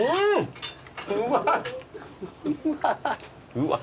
うわ。